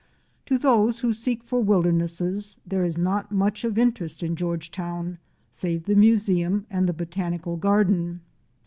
To those who seek for wildernesses there is not much of interest in Georgetown, save the museum and the botanical garden.